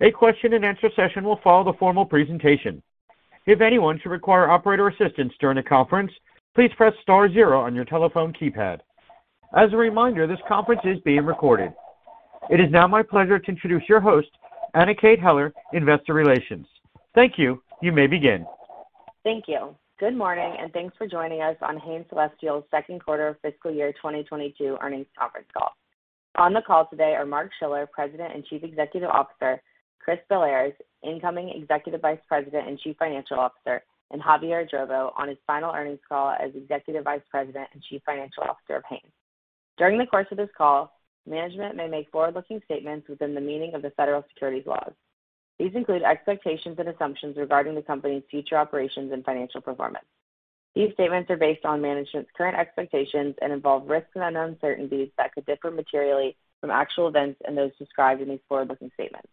A question-and-answer session will follow the formal presentation. If anyone should require operator assistance during the conference, please press star zero on your telephone keypad. As a reminder, this conference is being recorded. It is now my pleasure to introduce your host, Anna Kate Heller, Investor Relations. Thank you. You may begin. Thank you. Good morning, and thanks for joining us on Hain Celestial's Q2 of fiscal year 2022 earnings conference call. On the call today are Mark Schiller, President and Chief Executive Officer, Chris Bellairs, Incoming Executive Vice President and Chief Financial Officer, and Javier Idrovo on his final earnings call as Executive Vice President and Chief Financial Officer of Hain. During the course of this call, management may make forward-looking statements within the meaning of the federal securities laws. These include expectations and assumptions regarding the company's future operations and financial performance. These statements are based on management's current expectations and involve risks and uncertainties that could differ materially from actual events and those described in these forward-looking statements.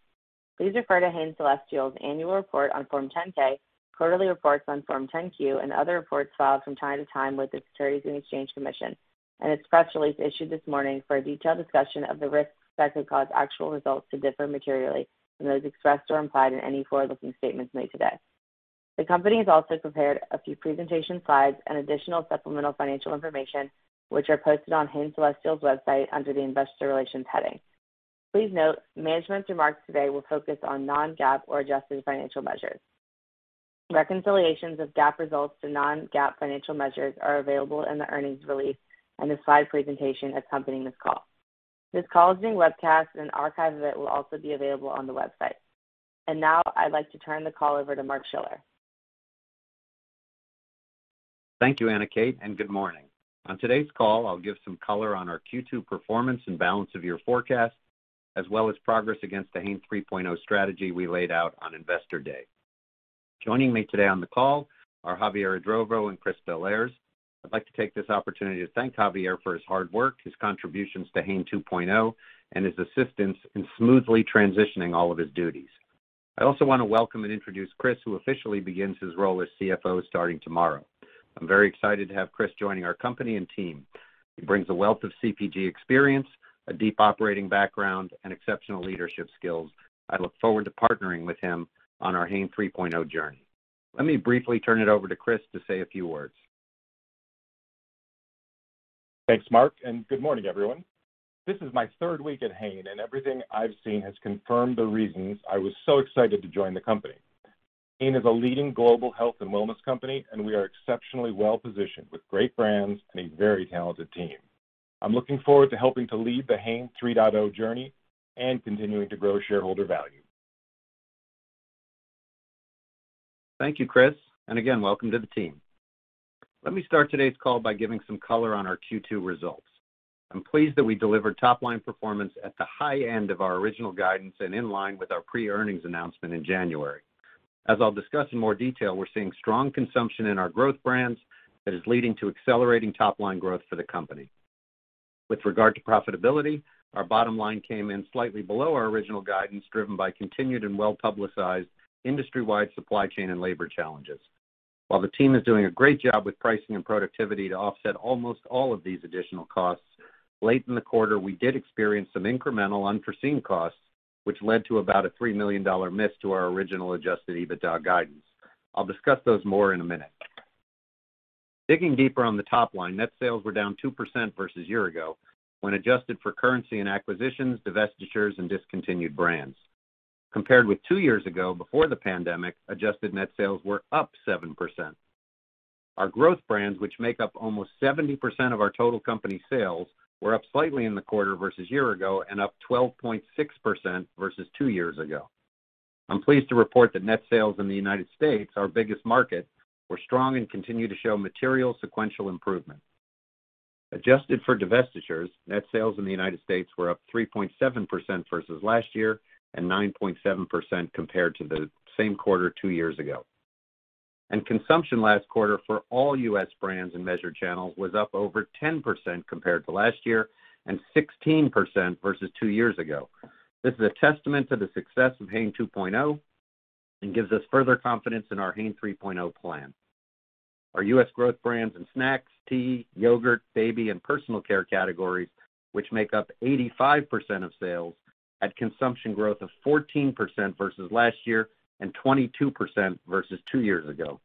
Please refer to Hain Celestial's annual report on Form 10-K, quarterly reports on Form 10-Q, and other reports filed from time to time with the Securities and Exchange Commission, and its press release issued this morning for a detailed discussion of the risks that could cause actual results to differ materially from those expressed or implied in any forward-looking statements made today. The company has also prepared a few presentation slides and additional supplemental financial information, which are posted on Hain Celestial's website under the Investor Relations heading. Please note management's remarks today will focus on non-GAAP or adjusted financial measures. Reconciliations of GAAP results to non-GAAP financial measures are available in the earnings release and the slide presentation accompanying this call. This call is being webcast, and an archive of it will also be available on the website. Now I'd like to turn the call over to Mark Schiller. Thank you, Anna Kate, and good morning. On today's call, I'll give some color on our Q2 performance and balance of year forecast, as well as progress against the Hain 3.0 strategy we laid out on Investor Day. Joining me today on the call are Javier Idrovo and Chris Bellairs. I'd like to take this opportunity to thank Javier for his hard work, his contributions to Hain 2.0, and his assistance in smoothly transitioning all of his duties. I also wanna welcome and introduce Chris, who officially begins his role as CFO starting tomorrow. I'm very excited to have Chris joining our company and team. He brings a wealth of CPG experience, a deep operating background, and exceptional leadership skills. I look forward to partnering with him on our Hain 3.0 journey. Let me briefly turn it over to Chris to say a few words. Thanks, Mark, and good morning, everyone. This is my third week at Hain, and everything I've seen has confirmed the reasons I was so excited to join the company. Hain is a leading global health and wellness company, and we are exceptionally well-positioned with great brands and a very talented team. I'm looking forward to helping to lead the Hain 3.0 journey and continuing to grow shareholder value. Thank you, Chris, and again, welcome to the team. Let me start today's call by giving some color on our Q2 results. I'm pleased that we delivered top-line performance at the high end of our original guidance and in line with our pre-earnings announcement in January. As I'll discuss in more detail, we're seeing strong consumption in our growth brands that is leading to accelerating top-line growth for the company. With regard to profitability, our bottom line came in slightly below our original guidance, driven by continued and well-publicized industry-wide supply chain and labor challenges. While the team is doing a great job with pricing and productivity to offset almost all of these additional costs, late in the quarter, we did experience some incremental unforeseen costs, which led to about a $3 million miss to our original adjusted EBITDA guidance. I'll discuss those more in a minute. Digging deeper on the top line, net sales were down 2% versus year ago when adjusted for currency and acquisitions, divestitures, and discontinued brands. Compared with two years ago, before the pandemic, adjusted net sales were up 7%. Our Growth brands, which make up almost 70% of our total company sales, were up slightly in the quarter versus year ago and up 12.6% versus two years ago. I'm pleased to report that net sales in the United States, our biggest market, were strong and continue to show material sequential improvement. Adjusted for divestitures, net sales in the United States were up 3.7% versus last year and 9.7% compared to the same quarter two years ago. Consumption last quarter for all U.S. brands and measured channels was up over 10% compared to last year and 16% versus two years ago. This is a testament to the success of Hain 2.0 and gives us further confidence in our Hain 3.0 plan. Our U.S. growth brands in snacks, tea, yogurt, baby, and personal care categories, which make up 85% of sales, had consumption growth of 14% versus last year and 22% versus two years ago.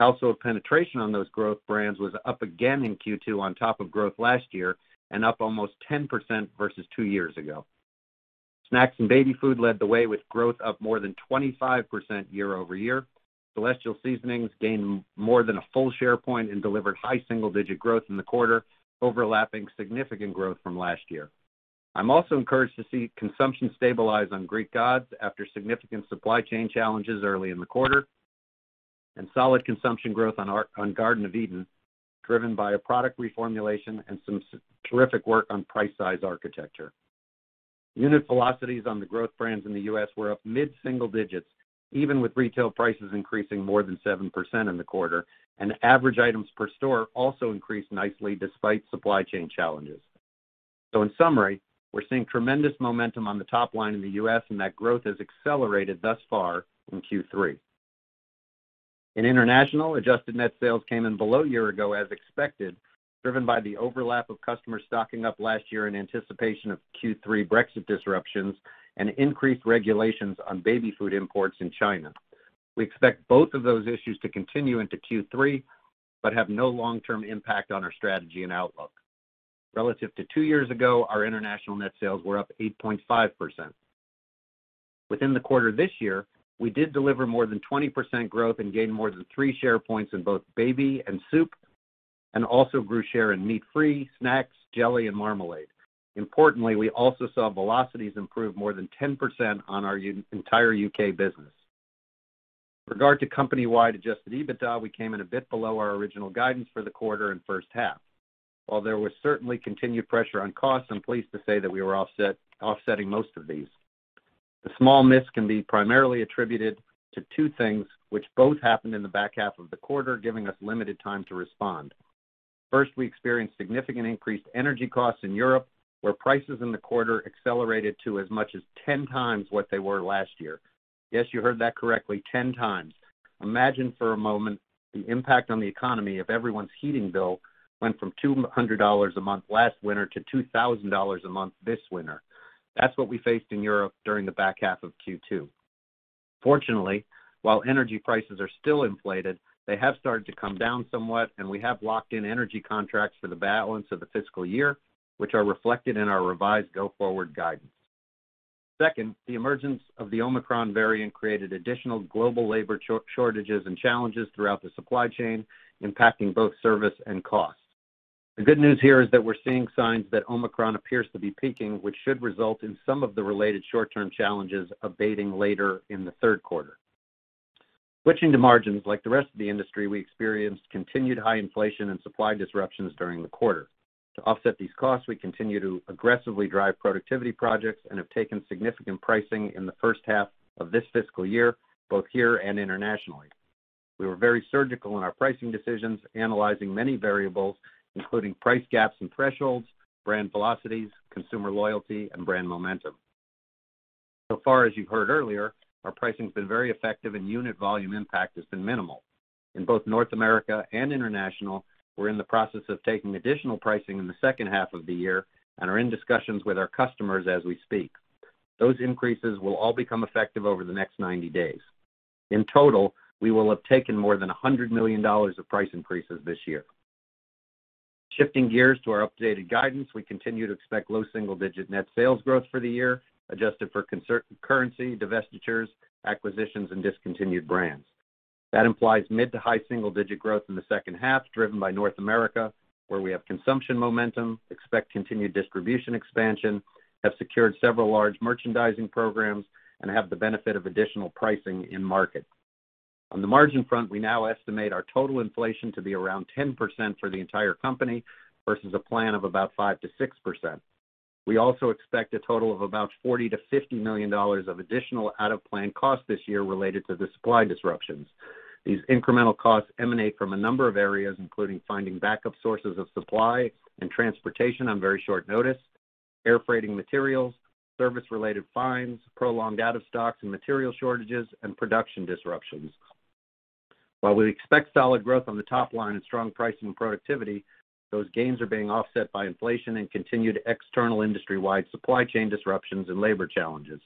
Household penetration on those growth brands was up again in Q2 on top of growth last year and up almost 10% versus two years ago. Snacks and baby food led the way with growth up more than 25% year-over-year. Celestial Seasonings gained more than a full share point and delivered high single-digit growth in the quarter, overlapping significant growth from last year. I'm also encouraged to see consumption stabilize on Greek Gods after significant supply chain challenges early in the quarter and solid consumption growth on Garden of Eatin', driven by a product reformulation and some terrific work on price size architecture. Unit velocities on the growth brands in the U.S. were up mid single digits, even with retail prices increasing more than 7% in the quarter. Average items per store also increased nicely despite supply chain challenges. In summary, we're seeing tremendous momentum on the top line in the U.S., and that growth has accelerated thus far in Q3. In international, adjusted net sales came in below year-ago as expected, driven by the overlap of customer stocking up last year in anticipation of Q3 Brexit disruptions and increased regulations on baby food imports in China. We expect both of those issues to continue into Q3, but have no long-term impact on our strategy and outlook. Relative to two years ago, our international net sales were up 8.5%. Within the quarter this year, we did deliver more than 20% growth and gained more than 3 share points in both baby and soup, and also grew share in meat-free, snacks, jelly and marmalade. Importantly, we also saw velocities improve more than 10% on our entire U.K. business. With regard to company-wide adjusted EBITDA, we came in a bit below our original guidance for the quarter and H1. While there was certainly continued pressure on costs, I'm pleased to say that we were offsetting most of these. The small miss can be primarily attributed to two things which both happened in the back half of the quarter, giving us limited time to respond. First, we experienced significant increased energy costs in Europe, where prices in the quarter accelerated to as much as 10 times what they were last year. Yes, you heard that correctly, 10 times. Imagine for a moment the impact on the economy if everyone's heating bill went from $200 a month last winter to $2,000 a month this winter. That's what we faced in Europe during the back half of Q2. Fortunately, while energy prices are still inflated, they have started to come down somewhat, and we have locked in energy contracts for the balance of the fiscal year, which are reflected in our revised go-forward guidance. Second, the emergence of the Omicron variant created additional global labor shortages and challenges throughout the supply chain, impacting both services and costs. The good news here is that we're seeing signs that Omicron appears to be peaking, which should result in some of the related short-term challenges abating later in the third quarter. Switching to margins, like the rest of the industry, we experienced continued high inflation and supply disruptions during the quarter. To offset these costs, we continue to aggressively drive productivity projects and have taken significant pricing in the H1 of this fiscal year, both here and internationally. We were very surgical in our pricing decisions, analyzing many variables, including price gaps and thresholds, brand velocities, consumer loyalty, and brand momentum. So far, as you heard earlier, our pricing's been very effective and unit volume impact has been minimal. In both North America and International, we're in the process of taking additional pricing in the H2 of the year and are in discussions with our customers as we speak. Those increases will all become effective over the next 90 days. In total, we will have taken more than $100 million of price increases this year. Shifting gears to our updated guidance, we continue to expect low single-digit% net sales growth for the year, adjusted for currency, divestitures, acquisitions, and discontinued brands. That implies mid- to high single-digit growth in the H2, driven by North America, where we have consumption momentum, expect continued distribution expansion, have secured several large merchandising programs and have the benefit of additional pricing in market. On the margin front, we now estimate our total inflation to be around 10% for the entire company versus a plan of about 5%-6%. We also expect a total of about $40 million-$50 million of additional out-of-plan costs this year related to the supply disruptions. These incremental costs emanate from a number of areas, including finding backup sources of supply and transportation on very short notice, air freighting materials, service-related fines, prolonged out of stocks and material shortages, and production disruptions. While we expect solid growth on the top line and strong pricing and productivity, those gains are being offset by inflation and continued external industry-wide supply chain disruptions and labor challenges.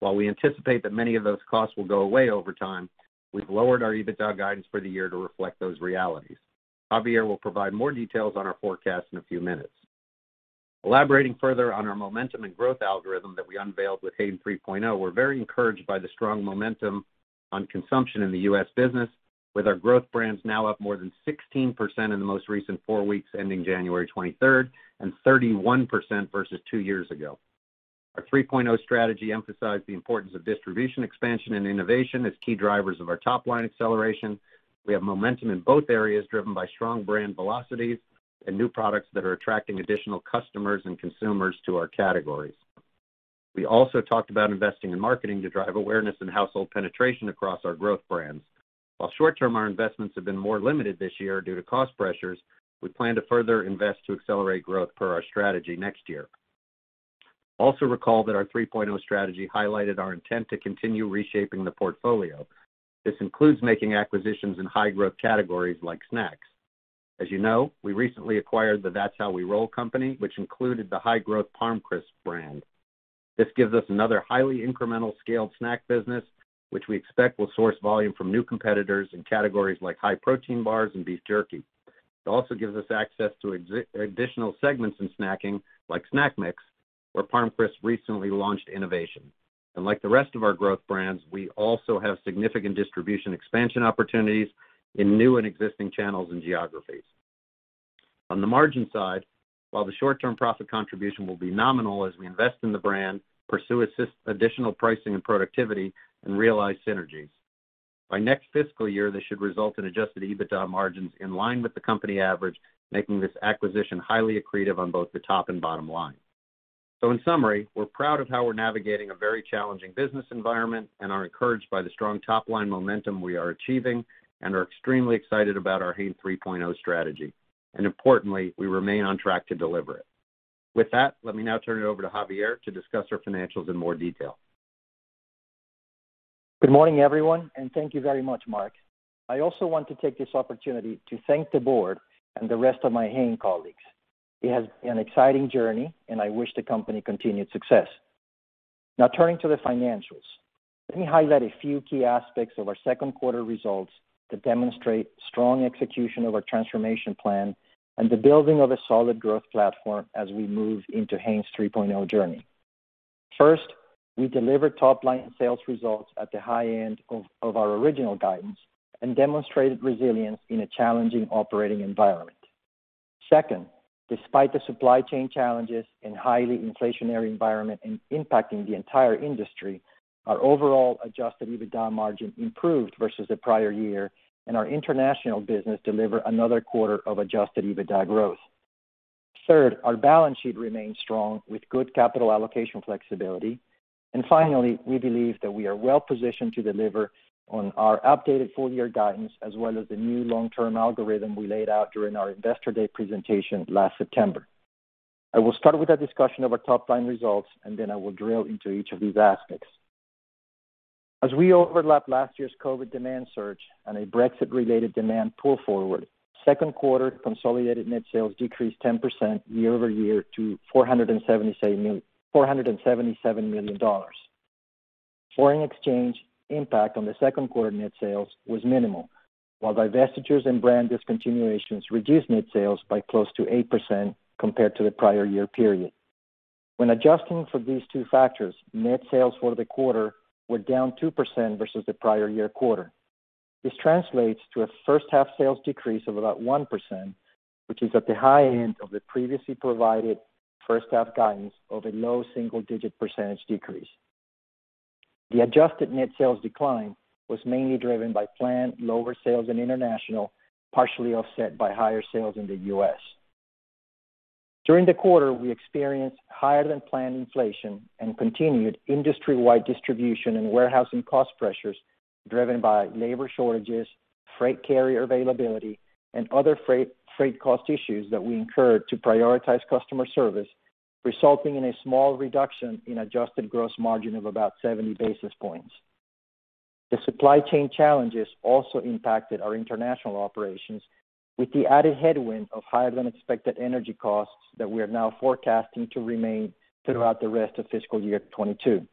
While we anticipate that many of those costs will go away over time, we've lowered our EBITDA guidance for the year to reflect those realities. Javier will provide more details on our forecast in a few minutes. Elaborating further on our momentum and growth algorithm that we unveiled with Hain 3.0, we're very encouraged by the strong momentum on consumption in the U.S. business with our growth brands now up more than 16% in the most recent four weeks ending January 23, and 31% versus two years ago. Our 3.0 strategy emphasized the importance of distribution expansion and innovation as key drivers of our top line acceleration. We have momentum in both areas driven by strong brand velocities and new products that are attracting additional customers and consumers to our categories. We also talked about investing in marketing to drive awareness and household penetration across our Growth brands. While short term, our investments have been more limited this year due to cost pressures, we plan to further invest to accelerate growth per our strategy next year. Recall that our 3.0 strategy highlighted our intent to continue reshaping the portfolio. This includes making acquisitions in high growth categories like snacks. As you know, we recently acquired the That's How We Roll company, which included the high growth ParmCrisps brand. This gives us another highly incremental scaled snack business, which we expect will source volume from new competitors in categories like high protein bars and beef jerky. It also gives us access to additional segments in snacking, like Snack Mix, where ParmCrisps recently launched innovation. Like the rest of our Growth brands, we also have significant distribution expansion opportunities in new and existing channels and geographies. On the margin side, while the short term profit contribution will be nominal as we invest in the brand, pursue additional pricing and productivity and realize synergies. By next fiscal year, this should result in adjusted EBITDA margins in line with the company average, making this acquisition highly accretive on both the top and bottom line. In summary, we're proud of how we're navigating a very challenging business environment and are encouraged by the strong top-line momentum we are achieving and are extremely excited about our Hain 3.0 strategy, and importantly, we remain on track to deliver it. With that, let me now turn it over to Javier to discuss our financials in more detail. Good morning, everyone, and thank you very much, Mark. I also want to take this opportunity to thank the board and the rest of my Hain colleagues. It has been an exciting journey, and I wish the company continued success. Now turning to the financials. Let me highlight a few key aspects of our Q2 results that demonstrate strong execution of our transformation plan and the building of a solid growth platform as we move into Hain 3.0 journey. First, we delivered top-line sales results at the high end of our original guidance and demonstrated resilience in a challenging operating environment. Second, despite the supply chain challenges and highly inflationary environment impacting the entire industry, our overall adjusted EBITDA margin improved versus the prior year, and our international business delivered another quarter of adjusted EBITDA growth. Third, our balance sheet remains strong with good capital allocation flexibility. Finally, we believe that we are well-positioned to deliver on our updated full-year guidance as well as the new long-term algorithm we laid out during our Investor Day presentation last September. I will start with a discussion of our top-line results, and then I will drill into each of these aspects. As we overlap last year's COVID demand surge and a Brexit-related demand pull forward, Q2 consolidated net sales decreased 10% year-over-year to $477 million. Foreign exchange impact on the Q2 net sales was minimal, while divestitures and brand discontinuations reduced net sales by close to 8% compared to the prior year period. When adjusting for these two factors, net sales for the quarter were down 2% versus the prior year quarter. This translates to a first-half sales decrease of about 1%, which is at the high end of the previously provided first-half guidance of a low single-digit % decrease. The adjusted net sales decline was mainly driven by planned lower sales in international, partially offset by higher sales in the U.S. During the quarter, we experienced higher-than-planned inflation and continued industry-wide distribution and warehousing cost pressures driven by labor shortages, freight carrier availability, and other freight cost issues that we incurred to prioritize customer service, resulting in a small reduction in adjusted gross margin of about 70 basis points. The supply chain challenges also impacted our international operations with the added headwind of higher-than-expected energy costs that we are now forecasting to remain throughout the rest of fiscal year 2022.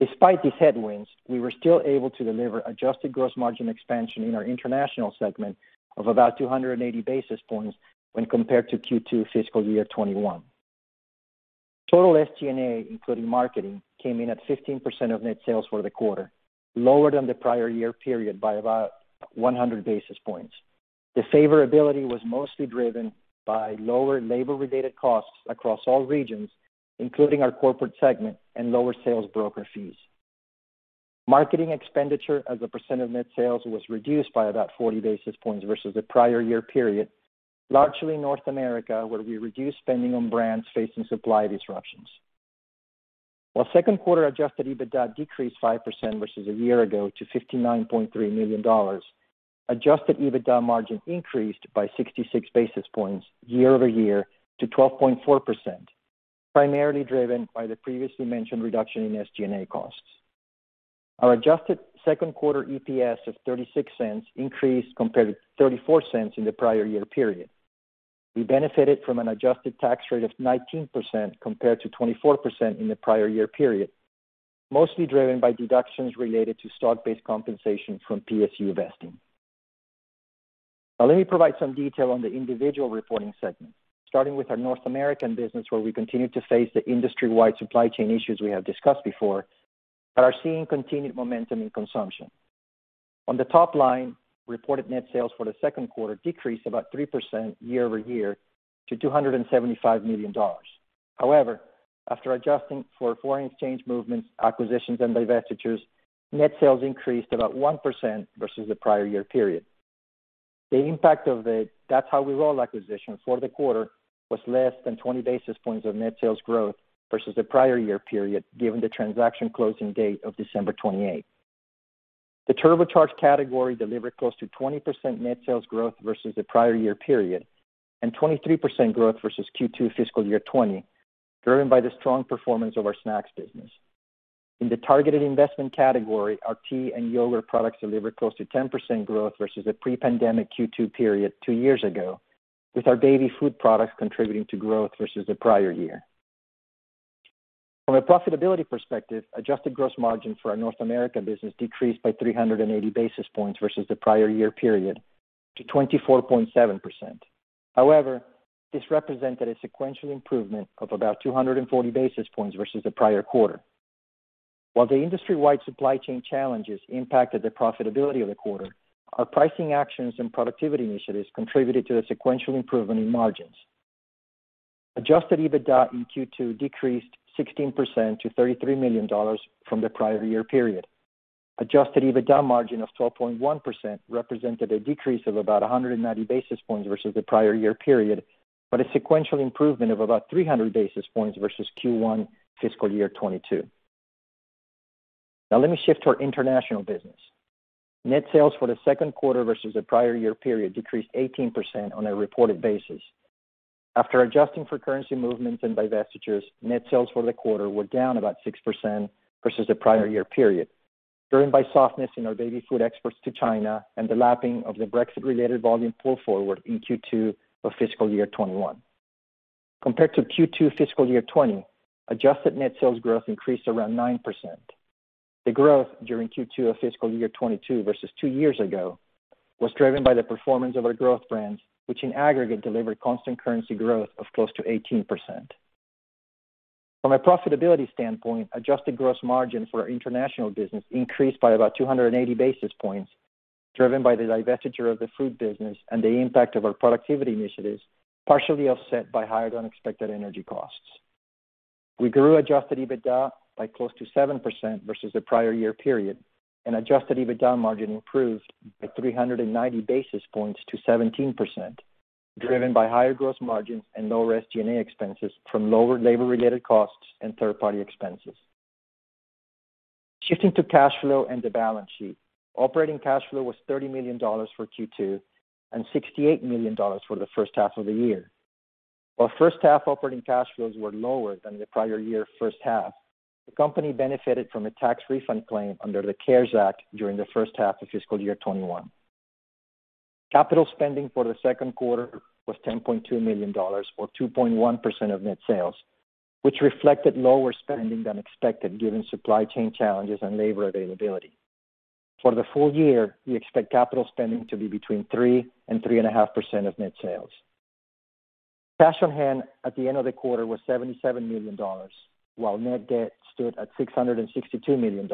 Despite these headwinds, we were still able to deliver adjusted gross margin expansion in our international segment of about 280 basis points when compared to Q2 FY 2021. Total SG&A, including marketing, came in at 15% of net sales for the quarter, lower than the prior year period by about 100 basis points. The favorability was mostly driven by lower labor-related costs across all regions, including our corporate segment and lower sales broker fees. Marketing expenditure as a percent of net sales was reduced by about 40 basis points versus the prior year period, largely North America, where we reduced spending on brands facing supply disruptions. While Q2 adjusted EBITDA decreased 5% versus a year ago to $59.3 million, adjusted EBITDA margin increased by 66 basis points year-over-year to 12.4%, primarily driven by the previously mentioned reduction in SG&A costs. Our adjusted Q2 EPS of $0.36 increased compared to $0.34 in the prior year period. We benefited from an adjusted tax rate of 19% compared to 24% in the prior year period, mostly driven by deductions related to stock-based compensation from PSU vesting. Now let me provide some detail on the individual reporting segments, starting with our North American business, where we continue to face the industry-wide supply chain issues we have discussed before, but are seeing continued momentum in consumption. On the top line, reported net sales for the Q2 decreased about 3% year-over-year to $275 million. However, after adjusting for foreign exchange movements, acquisitions, and divestitures, net sales increased about 1% versus the prior year period. The impact of the That's How We Roll acquisition for the quarter was less than 20 basis points of net sales growth versus the prior year period, given the transaction closing date of December 28th. The Turbocharge category delivered close to 20% net sales growth versus the prior year period, and 23% growth versus Q2 FY 2020, driven by the strong performance of our snacks business. In the Targeted Investment category, our tea and yogurt products delivered close to 10% growth versus the pre-pandemic Q2 period two years ago, with our baby food products contributing to growth versus the prior year. From a profitability perspective, adjusted gross margin for our North America business decreased by 380 basis points versus the prior year period to 24.7%. However, this represented a sequential improvement of about 240 basis points versus the prior quarter. While the industry-wide supply chain challenges impacted the profitability of the quarter, our pricing actions and productivity initiatives contributed to the sequential improvement in margins. Adjusted EBITDA in Q2 decreased 16% to $33 million from the prior year period. Adjusted EBITDA margin of 12.1% represented a decrease of about 190 basis points versus the prior year period, but a sequential improvement of about 300 basis points versus Q1 FY 2022. Now let me shift to our international business. Net sales for the Q2 versus the prior year period decreased 18% on a reported basis. After adjusting for currency movements and divestitures, net sales for the quarter were down about 6% versus the prior year period, driven by softness in our baby food exports to China and the lapping of the Brexit-related volume pull forward in Q2 of FY 2021. Compared to Q2 FY 2020, adjusted net sales growth increased around 9%. The growth during Q2 of fiscal year 2022 versus two years ago was driven by the performance of our growth brands, which in aggregate delivered constant currency growth of close to 18%. From a profitability standpoint, adjusted gross margin for our international business increased by about 280 basis points, driven by the divestiture of the food business and the impact of our productivity initiatives, partially offset by higher-than-expected energy costs. We grew adjusted EBITDA by close to 7% versus the prior year period, and adjusted EBITDA margin improved by 390 basis points to 17%, driven by higher gross margins and lower SG&A expenses from lower labor-related costs and third-party expenses. Shifting to cash flow and the balance sheet. Operating cash flow was $30 million for Q2 and $68 million for the H1 of the year. While first-half operating cash flows were lower than the prior year H1, the company benefited from a tax refund claim under the CARES Act during the H1 of fiscal year 2021. Capital spending for the Q2 was $10.2 million or 2.1% of net sales, which reflected lower spending than expected, given supply chain challenges and labor availability. For the full year, we expect capital spending to be between 3% and 3.5% of net sales. Cash on hand at the end of the quarter was $77 million, while net debt stood at $662 million.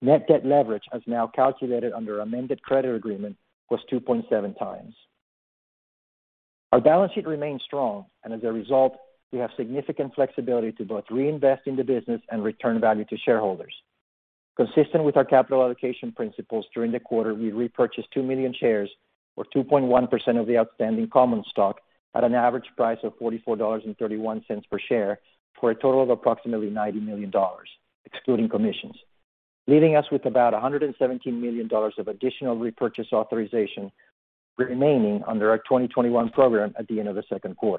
Net debt leverage, as now calculated under amended credit agreement, was 2.7x. Our balance sheet remains strong, and as a result, we have significant flexibility to both reinvest in the business and return value to shareholders. Consistent with our capital allocation principles, during the quarter, we repurchased 2 million shares, or 2.1% of the outstanding common stock, at an average price of $44.31 per share for a total of approximately $90 million, excluding commissions, leaving us with about $117 million of additional repurchase authorization remaining under our 2021 program at the end of the Q2.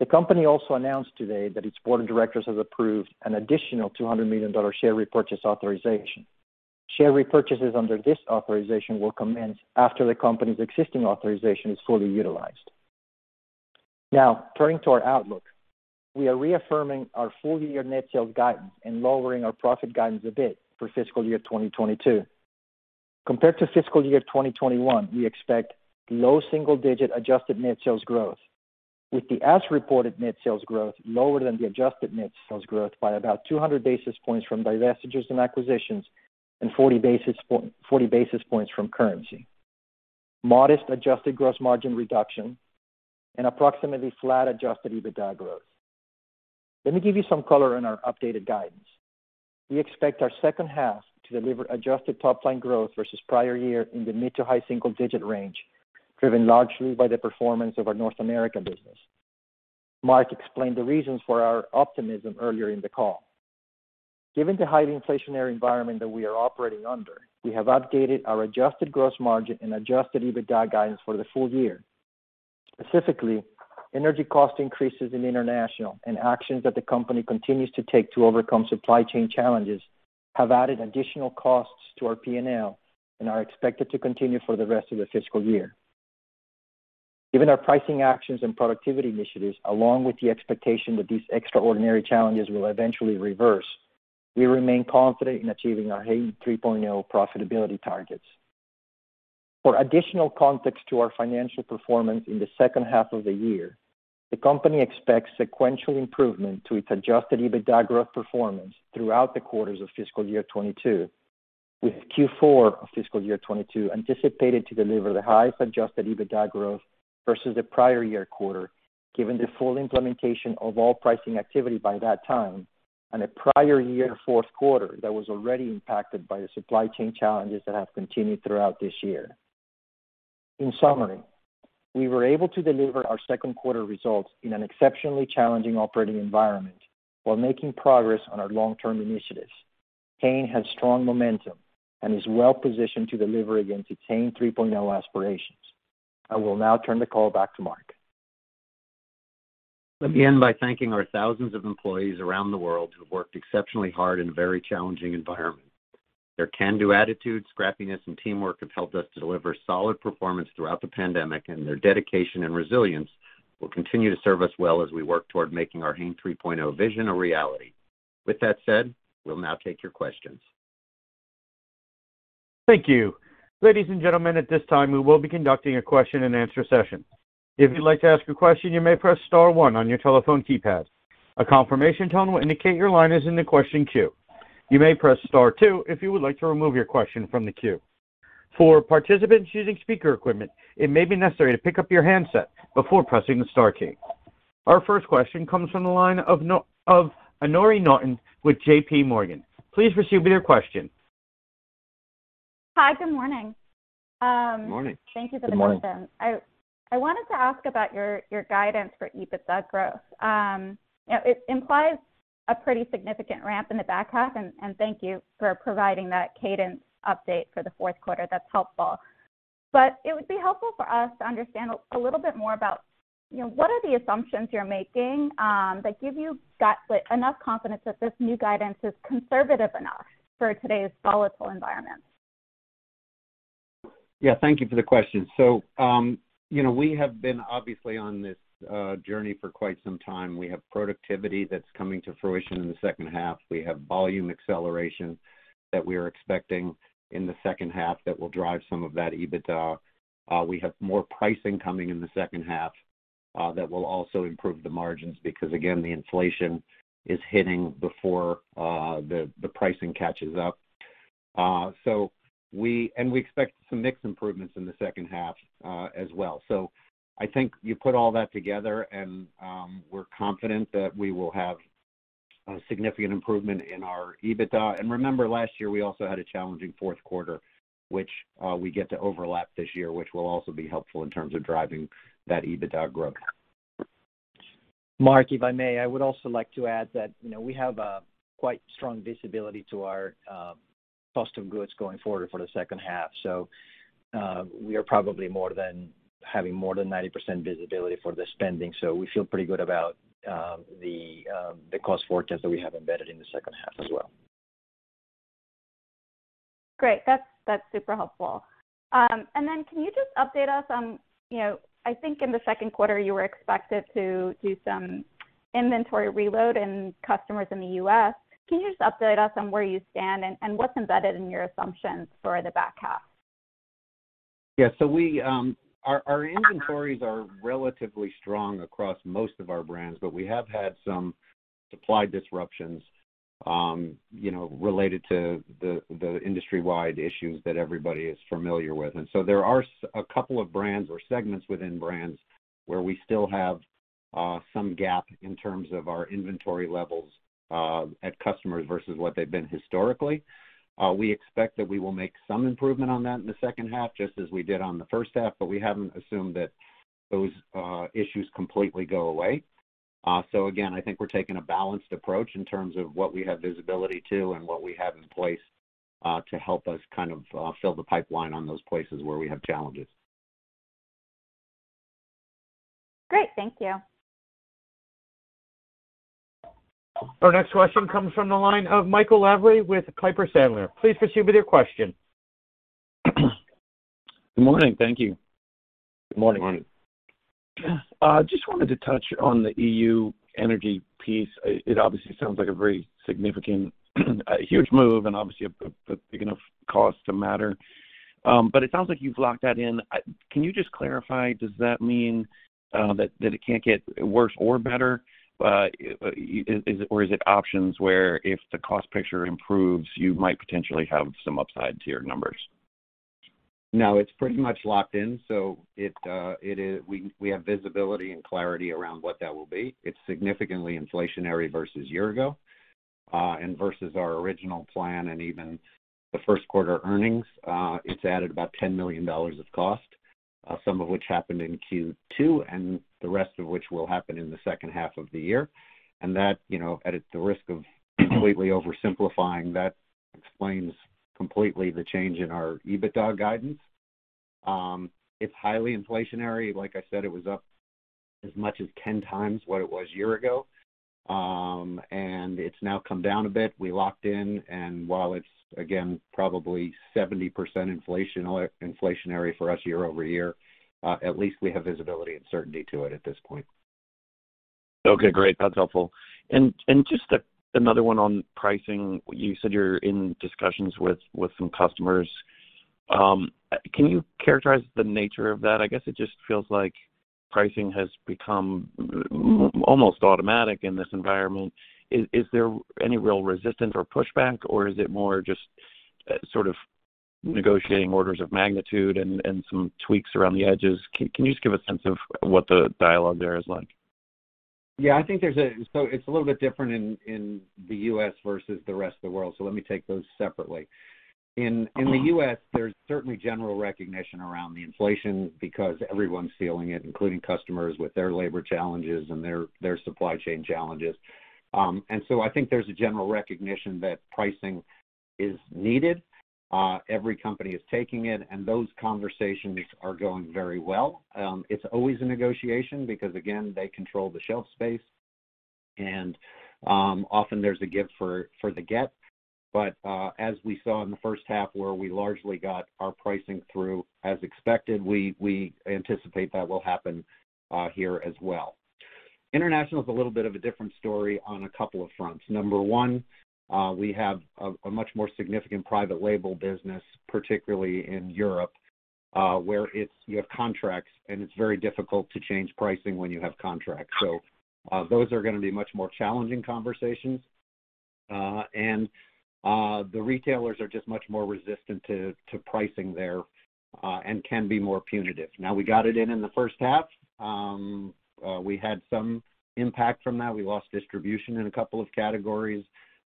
The company also announced today that its board of directors has approved an additional $200 million share repurchase authorization. Share repurchases under this authorization will commence after the company's existing authorization is fully utilized. Now, turning to our outlook. We are reaffirming our full-year net sales guidance and lowering our profit guidance a bit for fiscal year 2022. Compared to fiscal year 2021, we expect low single-digit adjusted net sales growth, with the as-reported net sales growth lower than the adjusted net sales growth by about 200 basis points from divestitures and acquisitions and 40 basis points from currency, modest adjusted gross margin reduction, and approximately flat adjusted EBITDA growth. Let me give you some color on our updated guidance. We expect our H2 to deliver adjusted top-line growth versus prior year in the mid- to high-single-digit range, driven largely by the performance of our North America business. Mark explained the reasons for our optimism earlier in the call. Given the high inflationary environment that we are operating under, we have updated our adjusted gross margin and adjusted EBITDA guidance for the full year. Specifically, energy cost increases in international and actions that the company continues to take to overcome supply chain challenges have added additional costs to our P&L and are expected to continue for the rest of the fiscal year. Given our pricing actions and productivity initiatives, along with the expectation that these extraordinary challenges will eventually reverse, we remain confident in achieving our Hain 3.0 profitability targets. For additional context to our financial performance in the H2 of the year, the company expects sequential improvement to its adjusted EBITDA growth performance throughout the quarters of fiscal year 2022, with Q4 of fiscal year 2022 anticipated to deliver the highest adjusted EBITDA growth versus the prior year quarter, given the full implementation of all pricing activity by that time and a prior year Q4 that was already impacted by the supply chain challenges that have continued throughout this year. In summary, we were able to deliver our Q2 results in an exceptionally challenging operating environment while making progress on our long-term initiatives. Hain has strong momentum and is well-positioned to deliver against its Hain 3.0 aspirations. I will now turn the call back to Mark. Let me end by thanking our thousands of employees around the world who have worked exceptionally hard in a very challenging environment. Their can-do attitude, scrappiness, and teamwork have helped us to deliver solid performance throughout the pandemic, and their dedication and resilience will continue to serve us well as we work toward making our Hain 3.0 vision a reality. With that said, we'll now take your questions. Thank you. Ladies and gentlemen, at this time, we will be conducting a question-and-answer session. If you'd like to ask a question, you may press star one on your telephone keypad. A confirmation tone will indicate your line is in the question queue. You may press star two if you would like to remove your question from the queue. For participants using speaker equipment, it may be necessary to pick up your handset before pressing the star key. Our first question comes from the line of Andrew Lazar with JPMorgan. Please proceed with your question. Hi, good morning. Morning. Thank you for the question. Good morning. I wanted to ask about your guidance for EBITDA growth. It implies a pretty significant ramp in the back half, and thank you for providing that cadence update for the Q4. That's helpful. But it would be helpful for us to understand a little bit more about what are the assumptions you're making that give you enough confidence that this new guidance is conservative enough for today's volatile environment. Yeah. Thank you for the question. You know, we have been obviously on this journey for quite some time. We have productivity that's coming to fruition in the H2. We have volume acceleration that we are expecting in the H2 that will drive some of that EBITDA. We have more pricing coming in the H2 that will also improve the margins because, again, the inflation is hitting before the pricing catches up. We expect some mix improvements in the H2, as well. I think you put all that together, and we're confident that we will have a significant improvement in our EBITDA. Remember, last year, we also had a challenging Q4, which we get to overlap this year, which will also be helpful in terms of driving that EBITDA growth. Mark, if I may, I would also like to add that we have quite strong visibility to our cost of goods going forward for the H2. We are probably having more than 90% visibility for the spending. We feel pretty good about the cost forecast that we have embedded in the H2 as well. Great. That's super helpful. Can you just update us on I think in the Q2, you were expected to do some inventory reload with customers in the U.S. Can you just update us on where you stand and what's embedded in your assumptions for the back half? Yeah. Our inventories are relatively strong across most of our brands, but we have had some supply disruptions related to the industry-wide issues that everybody is familiar with. There are a couple of brands or segments within brands where we still have some gap in terms of our inventory levels at customers versus what they've been historically. We expect that we will make some improvement on that in the H2, just as we did on the H1, but we haven't assumed that those issues completely go away. Again, I think we're taking a balanced approach in terms of what we have visibility to and what we have in place to help us kind of fill the pipeline on those places where we have challenges. Great. Thank you. Our next question comes from the line of Michael Lavery with Piper Sandler. Please proceed with your question. Good morning. Thank you. Good morning. Morning. Just wanted to touch on the EU energy piece. It obviously sounds like a very significant huge move and obviously a big enough cost to matter. It sounds like you've locked that in. Can you just clarify, does that mean that it can't get worse or better? Or is it options where if the cost picture improves, you might potentially have some upside to your numbers? No, it's pretty much locked in. So we have visibility and clarity around what that will be. It's significantly inflationary versus year ago, and versus our original plan and even the Q1 earnings, it's added about $10 million of cost, some of which happened in Q2, and the rest of which will happen in the H2 of the year. that at the risk of completely oversimplifying, that explains completely the change in our EBITDA guidance. It's highly inflationary. Like I said, it was up as much as 10 times what it was year ago. It's now come down a bit. We locked in. While it's, again, probably 70% inflationary for us year-over-year, at least we have visibility and certainty to it at this point. Okay, great. That's helpful. Just another one on pricing. You said you're in discussions with some customers. Can you characterize the nature of that? I guess it just feels like pricing has become almost automatic in this environment. Is there any real resistance or pushback, or is it more just sort of negotiating orders of magnitude and some tweaks around the edges? Can you just give a sense of what the dialogue there is like? Yeah, I think. It's a little bit different in the U.S. versus the rest of the world. Let me take those separately. In the U.S., there's certainly general recognition around the inflation because everyone's feeling it, including customers with their labor challenges and their supply chain challenges. I think there's a general recognition that pricing is needed. Every company is taking it, and those conversations are going very well. It's always a negotiation because, again, they control the shelf space. Often there's a give for the get. As we saw in the H1 where we largely got our pricing through as expected, we anticipate that will happen here as well. International is a little bit of a different story on a couple of fronts. Number one, we have a much more significant private label business, particularly in Europe, where it's you have contracts, and it's very difficult to change pricing when you have contracts. Those are gonna be much more challenging conversations. The retailers are just much more resistant to pricing there and can be more punitive. Now, we got it in the H1. We had some impact from that. We lost distribution in a couple of categories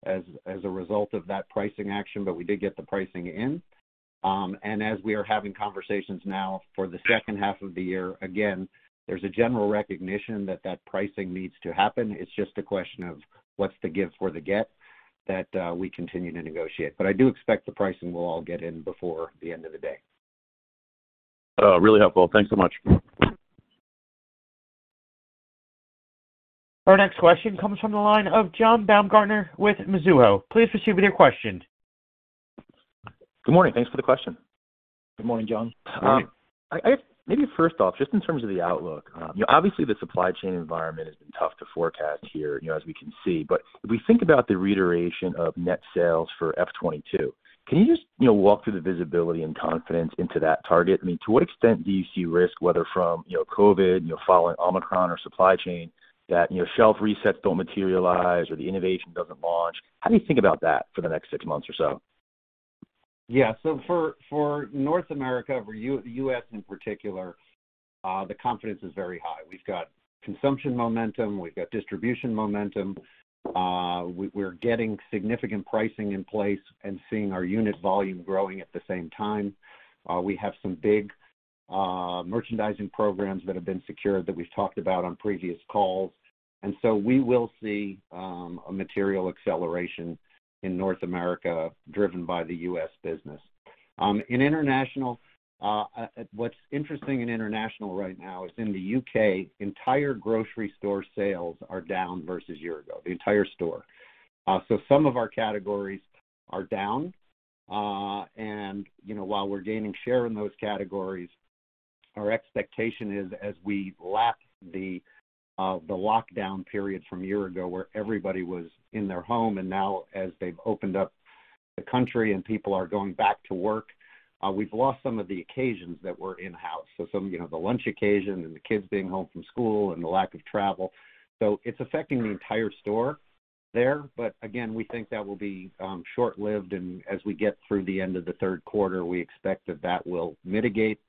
as a result of that pricing action, but we did get the pricing in. As we are having conversations now for the H2 of the year, again, there's a general recognition that pricing needs to happen. It's just a question of what's the give for the get that we continue to negotiate. I do expect the pricing will all get in before the end of the day. Really helpful. Thanks so much. Our next question comes from the line of John Baumgartner with Mizuho. Please proceed with your question. Good morning. Thanks for the question. Good morning, John. How are you? Maybe first off, just in terms of the outlook obviously the supply chain environment has been tough to forecast here as we can see. If we think about the reiteration of net sales for FY 2022, can you just walk through the visibility and confidence into that target? I mean, to what extent do you see risk, whether from covid following Omicron or supply chain, that shelf resets don't materialize or the innovation doesn't launch? How do you think about that for the next six months or so? For North America, the U.S. in particular, the confidence is very high. We've got consumption momentum, we've got distribution momentum, we're getting significant pricing in place and seeing our unit volume growing at the same time. We have some big merchandising programs that have been secured that we've talked about on previous calls. We will see a material acceleration in North America driven by the U.S. business. In international, what's interesting in international right now is in the U.K., entire grocery store sales are down versus year ago, the entire store. Some of our categories are down. You know, while we're gaining share in those categories, our expectation is as we lap the lockdown period from a year ago where everybody was in their home and now as they've opened up the country and people are going back to work, we've lost some of the occasions that were in-house. some the lunch occasion and the kids being home from school and the lack of travel. It's affecting the entire store there. But again, we think that will be short-lived and as we get through the end of the third quarter, we expect that that will mitigate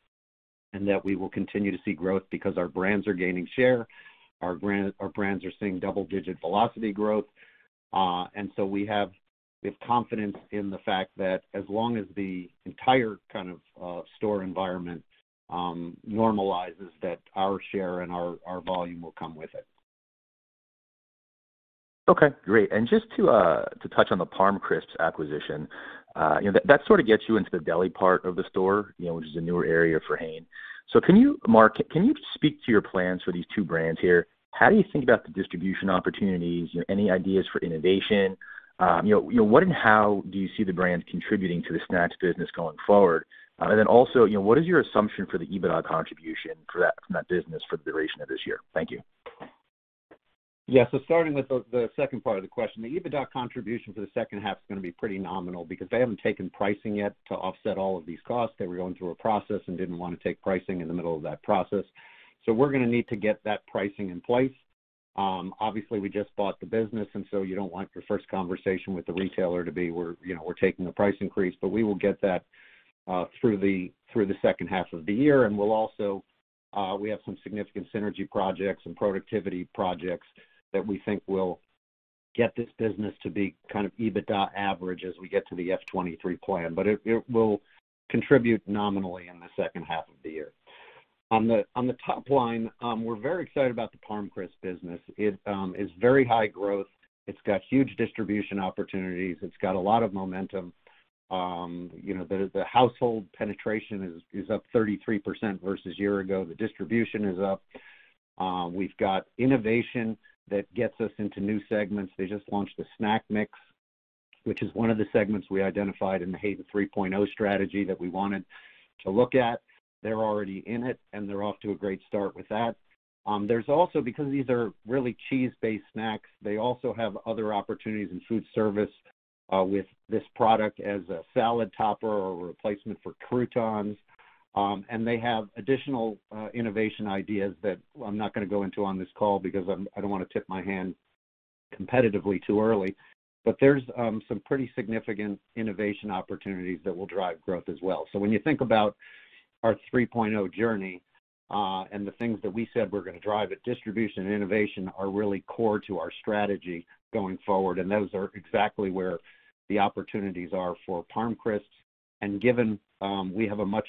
and that we will continue to see growth because our brands are gaining share, our brands are seeing double-digit velocity growth. We have this confidence in the fact that as long as the entire kind of store environment normalizes, that our share and our volume will come with it. Okay, great. Just to touch on the ParmCrisps acquisition that sort of gets you into the deli part of the store which is a newer area for Hain. Can you, Mark, speak to your plans for these two brands here? How do you think about the distribution opportunities? You know, any ideas for innovation? You know, what and how do you see the brand contributing to the snacks business going forward? And then also what is your assumption for the EBITDA contribution for that business for the duration of this year? Thank you. Yeah. Starting with the second part of the question, the EBITDA contribution for the H2 is gonna be pretty nominal because they haven't taken pricing yet to offset all of these costs. They were going through a process and didn't wanna take pricing in the middle of that process. We're gonna need to get that pricing in place. Obviously we just bought the business, and so you don't want your first conversation with the retailer to be we're taking a price increase. We will get that through the H2 of the year. We'll also have some significant synergy projects and productivity projects that we think will get this business to be kind of EBITDA average as we get to the FY 2023 plan. It will contribute nominally in the H2 of the year. On the top line, we're very excited about the ParmCrisps business. It is very high growth. It's got huge distribution opportunities. It's got a lot of momentum. You know, the household penetration is up 33% versus year ago. The distribution is up. We've got innovation that gets us into new segments. They just launched the Snack Mix, which is one of the segments we identified in the Hain 3.0 strategy that we wanted to look at. They're already in it, and they're off to a great start with that. There's also, because these are really cheese-based snacks, they also have other opportunities in food service with this product as a salad topper or replacement for croutons. They have additional innovation ideas that I'm not gonna go into on this call because I don't wanna tip my hand competitively too early. There's some pretty significant innovation opportunities that will drive growth as well. When you think about our 3.0 journey and the things that we said we're gonna drive it, distribution and innovation are really core to our strategy going forward, and those are exactly where the opportunities are for ParmCrisps. Given we have a much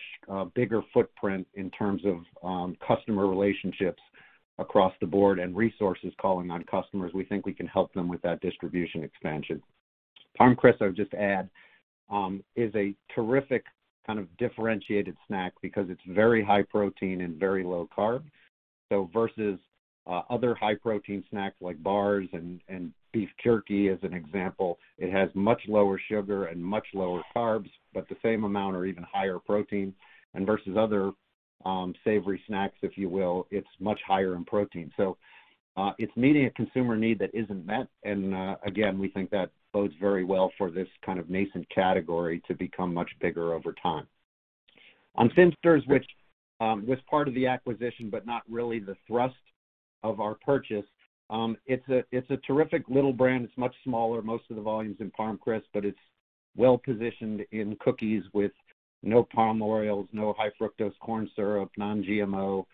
bigger footprint in terms of customer relationships across the board and resources calling on customers, we think we can help them with that distribution expansion. ParmCrisps, I would just add, is a terrific kind of differentiated snack because it's very high protein and very low carb. Versus other high protein snacks like bars and beef jerky as an example, it has much lower sugar and much lower carbs, but the same amount or even higher protein. Versus other savory snacks, if you will, it's much higher in protein. It's meeting a consumer need that isn't met. Again, we think that bodes very well for this kind of nascent category to become much bigger over time. On Thinsters, which was part of the acquisition but not really the thrust of our purchase. It's a terrific little brand. It's much smaller, most of the volume's in ParmCrisps, but it's well-positioned in cookies with no palm oils, no high fructose corn syrup, non-GMO.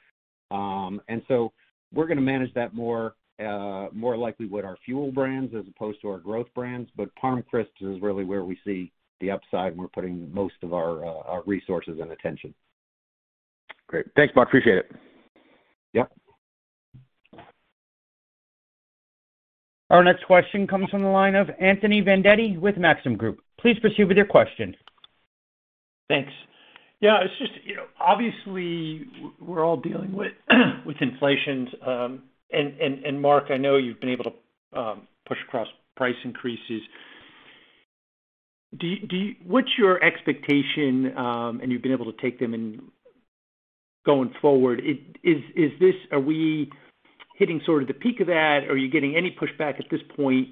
We're gonna manage that more, more likely with our Fuel brands as opposed to our Growth brands. ParmCrisps is really where we see the upside, and we're putting most of our resources and attention. Great. Thanks, Mark. Appreciate it. Yep. Our next question comes from the line of Anthony Vendetti with Maxim Group. Please proceed with your question. Thanks. Yeah, it's just obviously we're all dealing with inflation. Mark, I know you've been able to push across price increases. What's your expectation, and you've been able to take them and going forward? Are we hitting sort of the peak of that? Are you getting any pushback at this point?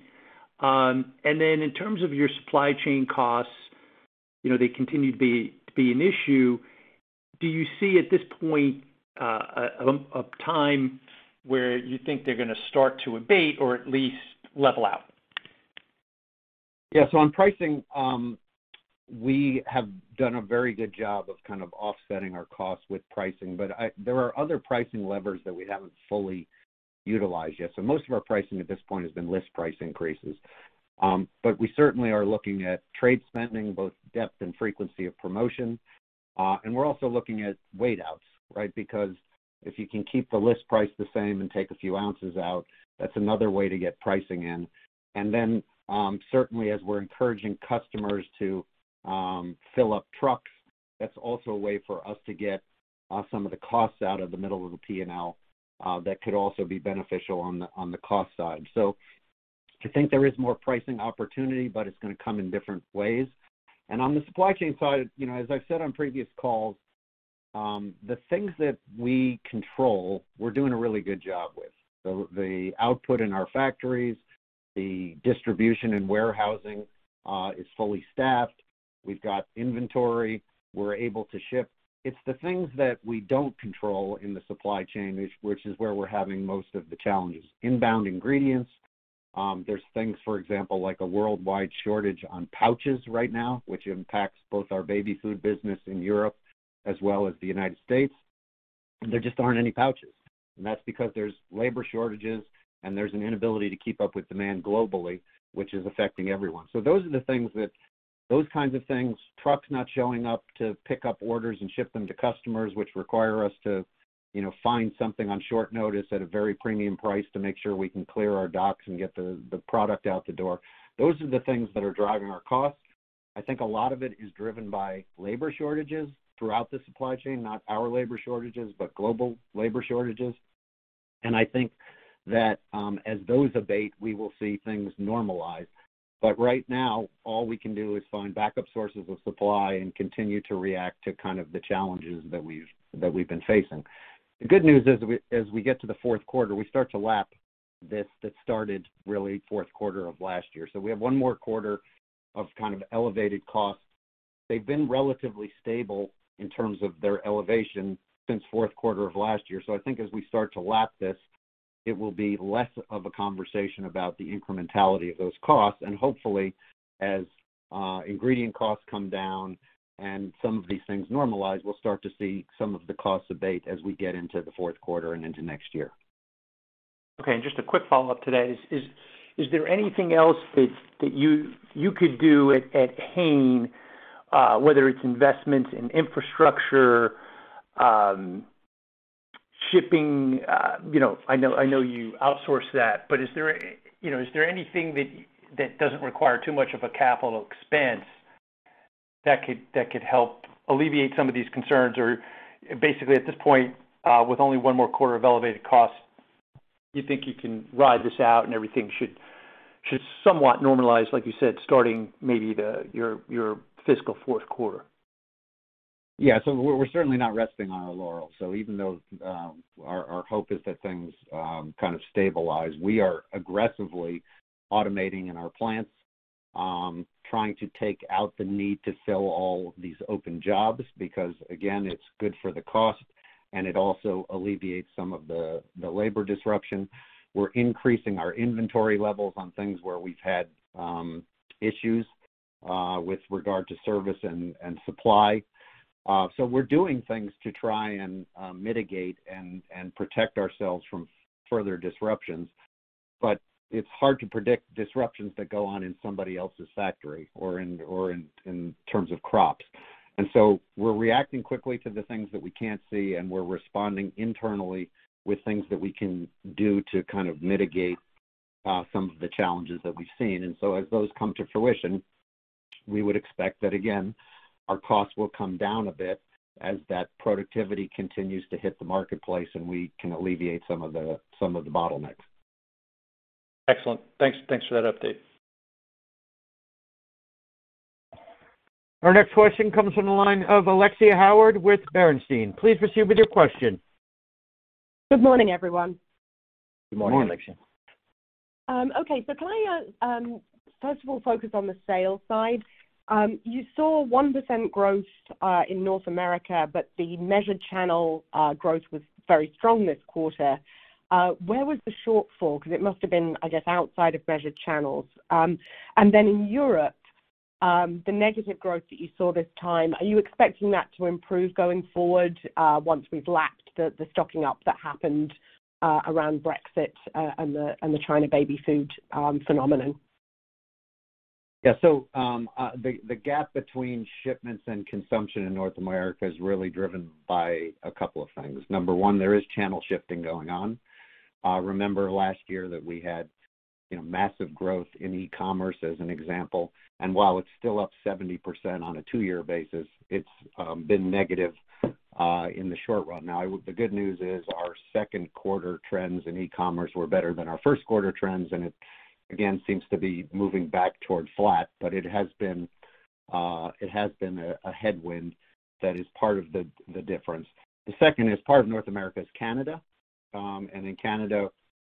In terms of your supply chain costs they continue to be an issue. Do you see at this point a time where you think they're gonna start to abate or at least level out? On pricing, we have done a very good job of kind of offsetting our costs with pricing. There are other pricing levers that we haven't fully utilized yet. Most of our pricing at this point has been list price increases. But we certainly are looking at trade spending, both depth and frequency of promotion. And we're also looking at weight outs, right? Because if you can keep the list price the same and take a few ounces out, that's another way to get pricing in. And then, certainly as we're encouraging customers to fill up trucks, that's also a way for us to get some of the costs out of the middle of the P&L, that could also be beneficial on the cost side. I think there is more pricing opportunity, but it's gonna come in different ways. On the supply chain side as I've said on previous calls, the things that we control, we're doing a really good job with. The output in our factories, the distribution and warehousing, is fully staffed. We've got inventory. We're able to ship. It's the things that we don't control in the supply chain, which is where we're having most of the challenges. Inbound ingredients, there's things, for example, like a worldwide shortage on pouches right now, which impacts both our baby food business in Europe as well as the United States. There just aren't any pouches. That's because there's labor shortages, and there's an inability to keep up with demand globally, which is affecting everyone. Those are the things that Those kinds of things, trucks not showing up to pick up orders and ship them to customers, which require us to find something on short notice at a very premium price to make sure we can clear our docks and get the product out the door. Those are the things that are driving our costs. I think a lot of it is driven by labor shortages throughout the supply chain, not our labor shortages, but global labor shortages. I think that as those abate, we will see things normalize. Right now, all we can do is find backup sources of supply and continue to react to kind of the challenges that we've been facing. The good news is we, as we get to the Q4, we start to lap this that started really Q4 of last year. We have one more quarter of kind of elevated costs. They've been relatively stable in terms of their elevation since Q4 of last year. I think as we start to lap this, it will be less of a conversation about the incrementality of those costs. Hopefully, as ingredient costs come down and some of these things normalize, we'll start to see some of the costs abate as we get into the Q4 and into next year. Okay. Just a quick follow-up to that. Is there anything else that you could do at Hain, whether it's investments in infrastructure, shipping, you know. I know you outsource that, but is there is there anything that doesn't require too much of a capital expense that could help alleviate some of these concerns? Or basically at this point, with only one more quarter of elevated costs, you think you can ride this out and everything should somewhat normalize, like you said, starting maybe your fiscal Q4? Yeah. We're certainly not resting on our laurels. Even though our hope is that things kind of stabilize, we are aggressively automating in our plants, trying to take out the need to fill all of these open jobs because, again, it's good for the cost, and it also alleviates some of the labor disruption. We're increasing our inventory levels on things where we've had issues with regard to service and supply. We're doing things to try and mitigate and protect ourselves from further disruptions. It's hard to predict disruptions that go on in somebody else's factory or in terms of crops. We're reacting quickly to the things that we can't see, and we're responding internally with things that we can do to kind of mitigate some of the challenges that we've seen. As those come to fruition, we would expect that, again, our costs will come down a bit as that productivity continues to hit the marketplace, and we can alleviate some of the bottlenecks. Excellent. Thanks for that update. Our next question comes from the line of Alexia Howard with Bernstein. Please proceed with your question. Good morning, everyone. Good morning, Alexia. Okay, can I first of all focus on the sales side? You saw 1% growth in North America, but the measured channel growth was very strong this quarter. Where was the shortfall? Because it must have been, I guess, outside of measured channels. Then in Europe, the negative growth that you saw this time, are you expecting that to improve going forward, once we've lapped the stocking up that happened around Brexit, and the China baby food phenomenon? The gap between shipments and consumption in North America is really driven by a couple of things. Number one, there is channel shifting going on. Remember last year that we had massive growth in e-commerce as an example. While it's still up 70% on a two-year basis, it's been negative in the short run. The good news is our Q2 trends in e-commerce were better than our Q1 trends, and it again seems to be moving back toward flat. It has been a headwind. That is part of the difference. The second is, part of North America is Canada. In Canada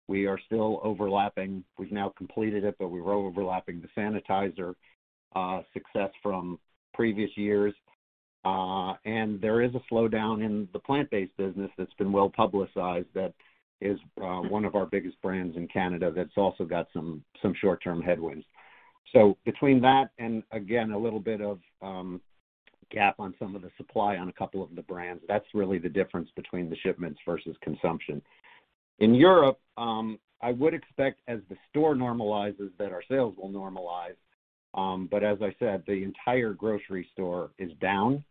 we are still overlapping. We've now completed it, but we were overlapping the sanitizer success from previous years. There is a slowdown in the plant-based business that's been well-publicized that is one of our biggest brands in Canada that's also got some short-term headwinds. Between that and again a little bit of gap on some of the supply on a couple of the brands, that's really the difference between the shipments versus consumption. In Europe, I would expect as the store normalizes that our sales will normalize. As I said, the entire grocery store is down.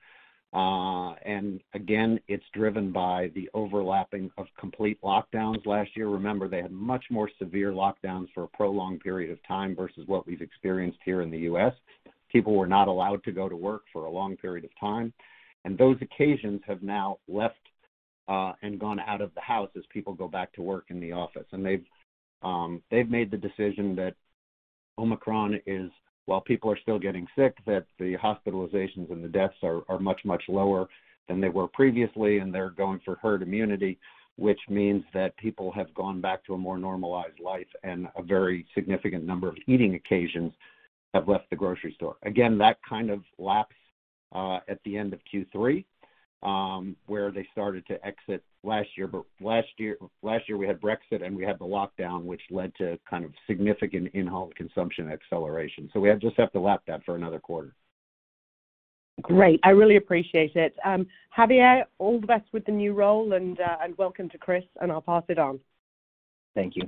Again, it's driven by the overlapping of complete lockdowns last year. Remember, they had much more severe lockdowns for a prolonged period of time versus what we've experienced here in the U.S. People were not allowed to go to work for a long period of time, and those occasions have now left and gone out of the house as people go back to work in the office. They've made the decision that Omicron is, while people are still getting sick, that the hospitalizations and the deaths are much lower than they were previously, and they're going for herd immunity, which means that people have gone back to a more normalized life and a very significant number of eating occasions have left the grocery store. Again, that kind of lapsed at the end of Q3, where they started to exit last year. Last year we had Brexit and we had the lockdown, which led to kind of significant in-home consumption acceleration. We just have to lap that for another quarter. Great. I really appreciate it. Javier, all the best with the new role and welcome to Chris, and I'll pass it on. Thank you.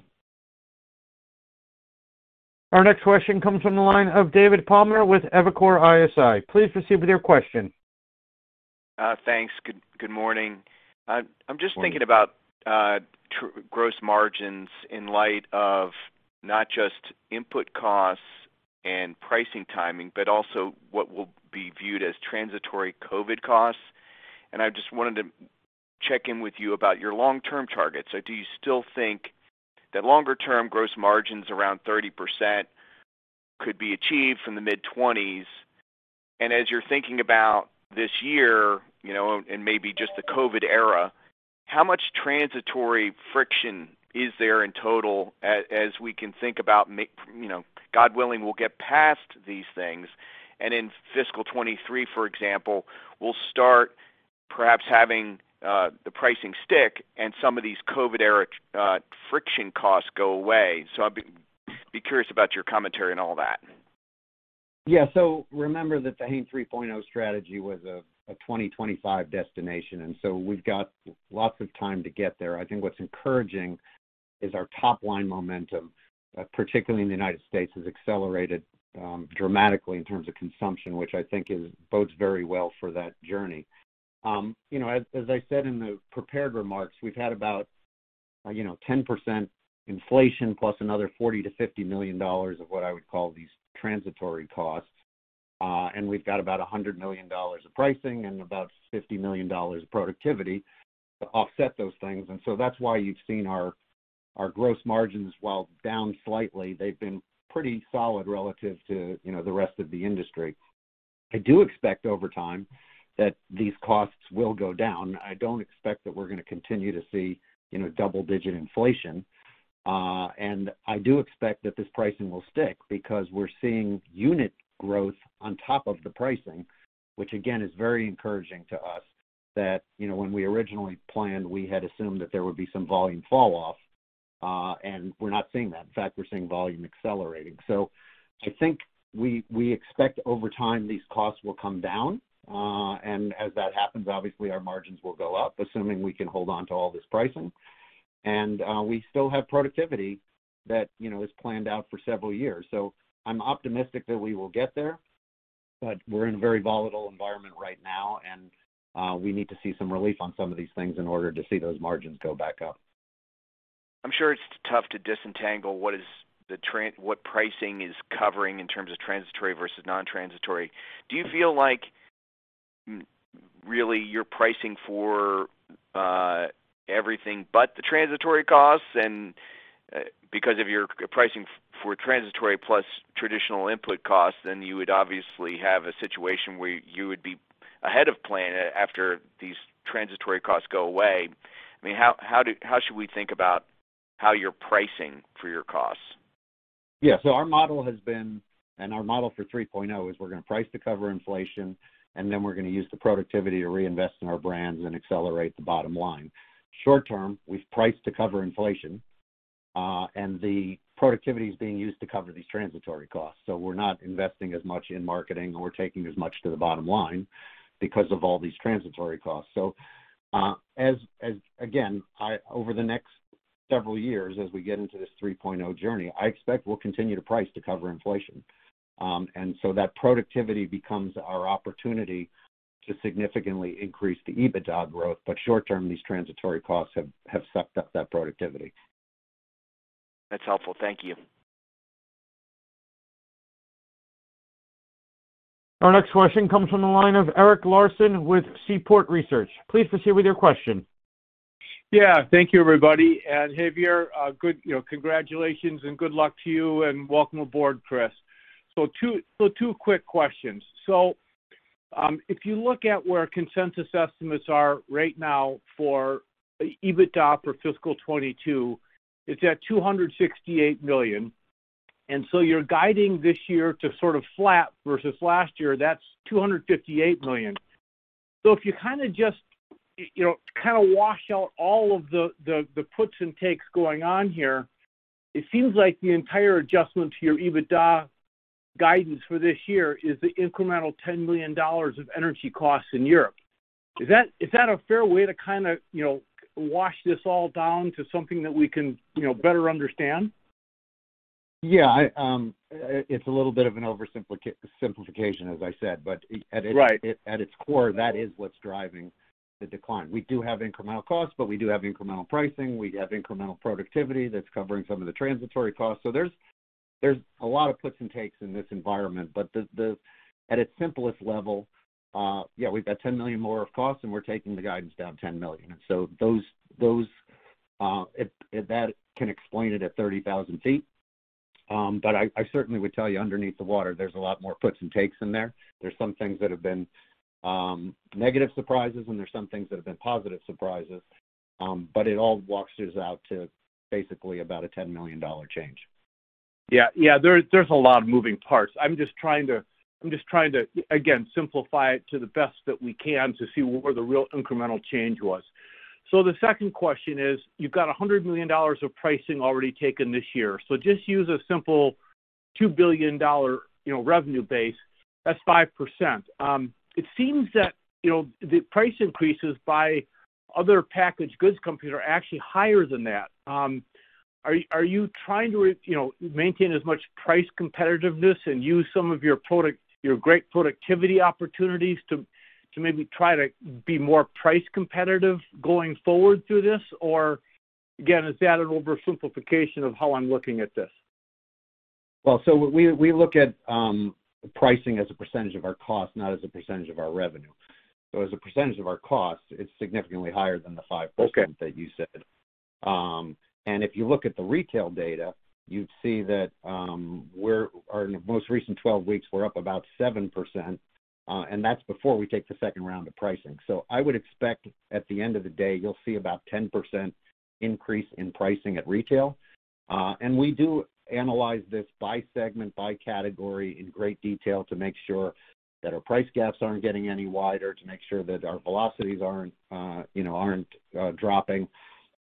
Our next question comes from the line of David Palmer with Evercore ISI. Please proceed with your question. Thanks. Good morning. Morning. I'm just thinking about gross margins in light of not just input costs and pricing timing, but also what will be viewed as transitory COVID costs. I just wanted to check in with you about your long-term targets. Do you still think that longer term gross margins around 30% could be achieved from the mid-20s? As you're thinking about this year and maybe just the COVID era, how much transitory friction is there in total as we can think about God willing, we'll get past these things and in fiscal 2023, for example, we'll start perhaps having the pricing stick and some of these COVID era friction costs go away. I'd be curious about your commentary on all that. Yeah. Remember that the Hain 3.0 strategy was a 2025 destination, and we've got lots of time to get there. I think what's encouraging is our top-line momentum, particularly in the United States, has accelerated dramatically in terms of consumption, which I think bodes very well for that journey. You know, as I said in the prepared remarks, we've had about 10% inflation plus another $40 million-$50 million of what I would call these transitory costs. We've got about $100 million of pricing and about $50 million of productivity to offset those things. That's why you've seen our gross margins, while down slightly, they've been pretty solid relative to the rest of the industry. I do expect over time that these costs will go down. I don't expect that we're gonna continue to see double-digit inflation. I do expect that this pricing will stick because we're seeing unit growth on top of the pricing, which again is very encouraging to us, that when we originally planned, we had assumed that there would be some volume fall off, and we're not seeing that. In fact, we're seeing volume accelerating. I think we expect over time these costs will come down. As that happens, obviously our margins will go up, assuming we can hold on to all this pricing. We still have productivity that is planned out for several years. I'm optimistic that we will get there, but we're in a very volatile environment right now and we need to see some relief on some of these things in order to see those margins go back up. I'm sure it's tough to disentangle what pricing is covering in terms of transitory versus non-transitory. Do you feel like really you're pricing for everything but the transitory costs and because if you're pricing for transitory plus traditional input costs, then you would obviously have a situation where you would be ahead of plan after these transitory costs go away. I mean, how should we think about how you're pricing for your costs? Yeah. Our model has been, and our model for 3.0 is we're gonna price to cover inflation, and then we're gonna use the productivity to reinvest in our brands and accelerate the bottom line. Short term, we've priced to cover inflation, and the productivity is being used to cover these transitory costs. We're not investing as much in marketing or taking as much to the bottom line because of all these transitory costs. Over the next several years as we get into this 3.0 journey, I expect we'll continue to price to cover inflation. That productivity becomes our opportunity to significantly increase the EBITDA growth. Short term, these transitory costs have sucked up that productivity. That's helpful. Thank you. Our next question comes from the line of Eric Larson with Seaport Research. Please proceed with your question. Yeah. Thank you, everybody. javier congratulations and good luck to you, and welcome aboard, Chris. Two quick questions. If you look at where consensus estimates are right now for EBITDA for fiscal 2022, it's at $268 million. You're guiding this year to sort of flat versus last year, that's $258 million. If you kinda just kinda wash out all of the puts and takes going on here, it seems like the entire adjustment to your EBITDA guidance for this year is the incremental $10 million of energy costs in Europe. Is that a fair way to kinda wash this all down to something that we can better understand? Yeah. It's a little bit of an oversimplification, as I said, but at its- Right At its core, that is what's driving the decline. We do have incremental costs, but we do have incremental pricing. We have incremental productivity that's covering some of the transitory costs. There's a lot of puts and takes in this environment. At its simplest level, yeah, we've got $10 million more of costs, and we're taking the guidance down $10 million. If that can explain it at 30,000 feet. I certainly would tell you underneath the water there's a lot more puts and takes in there. There's some things that have been negative surprises, and there's some things that have been positive surprises. It all washes out to basically about a $10 million change. There's a lot of moving parts. I'm just trying to again simplify it to the best that we can to see where the real incremental change was. The second question is, you've got $100 million of pricing already taken this year. Just use a simple $2 billion revenue base, that's 5%. It seems that the price increases by other packaged goods companies are actually higher than that. Are you trying to you know, maintain as much price competitiveness and use some of your your great productivity opportunities to maybe try to be more price competitive going forward through this? Or again, is that an oversimplification of how I'm looking at this? Well, we look at pricing as a percentage of our cost, not as a percentage of our revenue. As a percentage of our cost, it's significantly higher than the 5%. Okay... that you said. If you look at the retail data, you'd see that our most recent 12 weeks, we're up about 7%, and that's before we take the second round of pricing. I would expect at the end of the day you'll see about 10% increase in pricing at retail. We do analyze this by segment, by category in great detail to make sure that our price gaps aren't getting any wider, to make sure that our velocities aren't dropping.